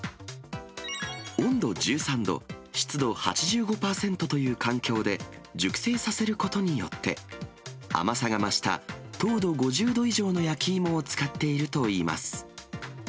温度１３度、湿度８５％という環境で熟成させることによって、甘さが増した糖度５０度以上の焼き芋を使っているといいます。